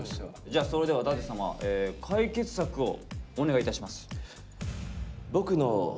じゃあそれでは舘様解決策をお願いいたします。